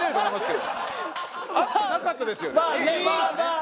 合ってなかったですよね。